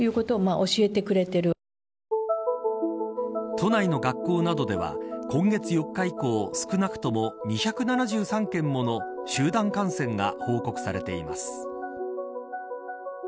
都内の学校などでは今月４日以降少なくとも２７３件もの集団感染が報告されています。